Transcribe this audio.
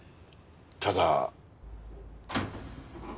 ただ。